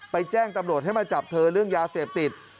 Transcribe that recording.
แจ้งตำรวจให้มาจับเธอเรื่องยาเสพติด